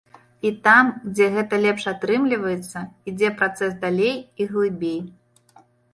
І там, дзе гэта лепш атрымліваецца, ідзе працэс далей і глыбей.